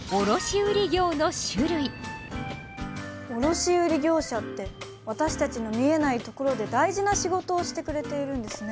卸売業者って私たちの見えないところで大事な仕事をしてくれているんですね。